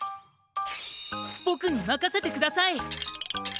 ぼくにまかせてください！